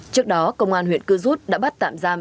trước đó công an huyện cư rút đã bắt tạm giam